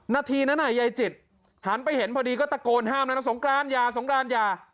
นาทีนั้นไหนใยจิตหันไปเห็นพอดีก็ตะโกนห้ามนะสงกรานยา